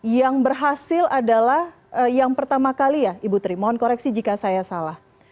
yang berhasil adalah yang pertama kali ya ibu tri mohon koreksi jika saya salah